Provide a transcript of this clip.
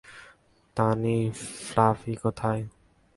তানি, Fluffy কোথায়?